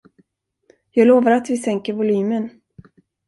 Jag lovar att vi sänker volymen.